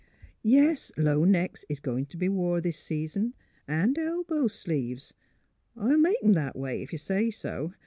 ... Yes, low necks is goin' t' be wore this season, an' elbow sleeves. ... I '11 make 'em that way, if you say so.